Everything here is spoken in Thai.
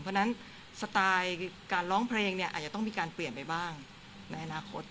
เพราะฉะนั้นสไตล์การร้องเพลงเนี่ยอาจจะต้องมีการเปลี่ยนไปบ้างในอนาคต